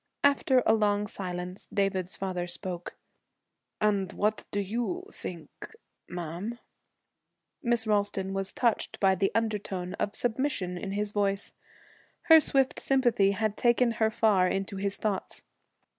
After a long silence, David's father spoke. 'And what do you think, ma'am?' Miss Ralston was touched by the undertone of submission in his voice. Her swift sympathy had taken her far into his thoughts.